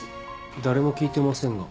誰も聞いてませんが。